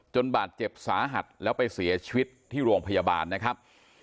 บาดเจ็บสาหัสแล้วไปเสียชีวิตที่โรงพยาบาลนะครับ